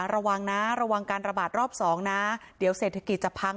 ระวังนะระวังการระบาดรอบ๒นะเดี๋ยวเศรษฐกิจจะพัง